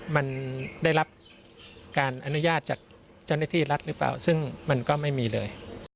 มันได้รับการอนุญาตจากเจ้าหน้าที่รัฐหรือเปล่าซึ่งมันก็ไม่มีเลย